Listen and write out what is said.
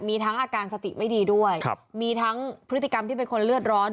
มีทั้งอาการสติไม่ดีด้วยมีทั้งพฤติกรรมที่เป็นคนเลือดร้อน